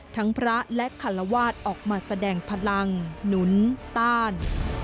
พระและคารวาสออกมาแสดงพลังหนุนต้าน